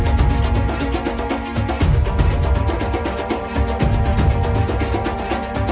เขาคุ้นหมุดอยู่ภูมิภาพภรรยาสาร